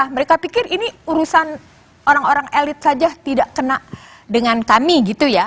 mereka pikir ini urusan orang orang elit saja tidak kena dengan kami gitu ya